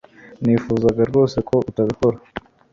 Nifuzaga rwose ko utabikora